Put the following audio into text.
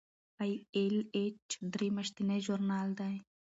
ای ایل ایچ درې میاشتنی ژورنال دی.